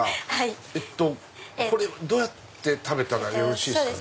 これはどうやって食べたらよろしいですかね？